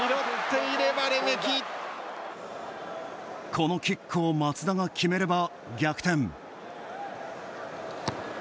このキックを松田が決めれば逆転。